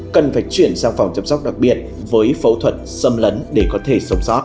cần phải chuyển sang phòng chăm sóc đặc biệt với phẫu thuật xâm lấn để có thể sống sót